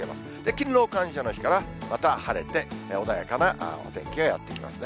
勤労感謝の日からまた晴れて、穏やかなお天気がやって来ますね。